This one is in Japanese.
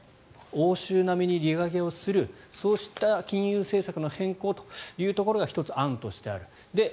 欧州並みに利上げをするそうした金融政策の変更というところが１つ、案としてある。